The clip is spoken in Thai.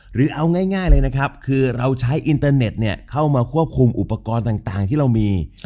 หรือเอาง่ายเลยนะครับคือเราใช้อินเตอร์เน็ตเข้ามาควบคุมอุปกรณ์ต่างที่เรามี